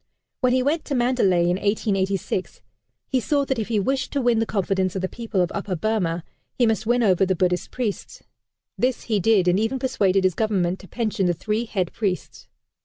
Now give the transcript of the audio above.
When he went to Mandalay, in 1886, he saw that if he wished to win the confidence of the people of Upper Burmah, he must win over the Buddhist priests. This he did, and even persuaded his Government to pension the three head priests.